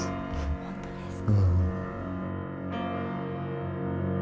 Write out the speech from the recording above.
本当ですか？